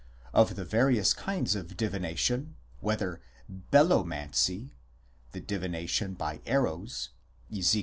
Of the various kinds of Divination, whether Belomancy (divination by arrows, Ezek.